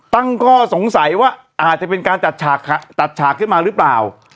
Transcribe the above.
ตั้งข้อสงสัยว่าอาจจะเป็นการจัดฉากจัดฉากขึ้นมาหรือเปล่า